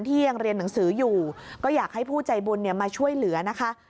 ยังเรียนหนังสืออยู่ก็อยากให้ผู้ใจบุญมาช่วยเหลือนะคะ